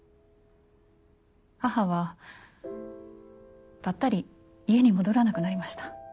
母はぱったり家に戻らなくなりました。